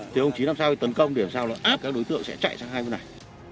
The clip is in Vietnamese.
thì ông chí làm sao tấn công làm sao áp các đối tượng sẽ chạy sang hai bên này